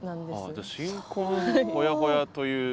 じゃあ新婚ほやほやという。